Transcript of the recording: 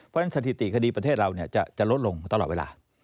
เพราะฉะนั้นสถิติคดีประเทศเราจะลดลงตลอดเวลา